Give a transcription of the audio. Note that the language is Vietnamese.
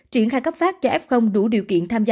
triển khai cấp phát cho f đủ điều kiện tham gia